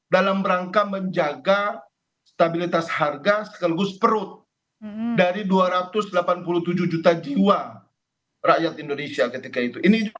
dalam rangka menjaga stabilitas harga sekaligus perut dari dua ratus delapan puluh tujuh juta jiwa rakyat indonesia ketika itu